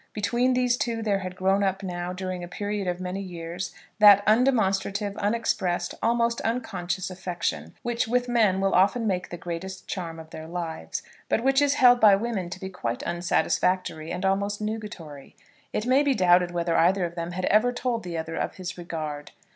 Between these two there had grown up now during a period of many years, that undemonstrative, unexpressed, almost unconscious affection which, with men, will often make the greatest charm of their lives, but which is held by women to be quite unsatisfactory and almost nugatory. It may be doubted whether either of them had ever told the other of his regard.